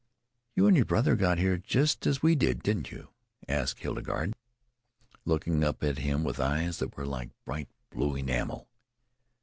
"You and your brother got here just as we did, didn't you?" asked Hildegarde, looking up at him with eyes that were like bright blue enamel.